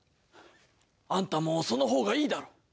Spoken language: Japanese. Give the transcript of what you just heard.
あんたもその方がいいだろ？